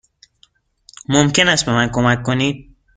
ممکن است به من کمک کنید؟